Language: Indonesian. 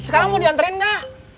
sekarang mau dianterin kak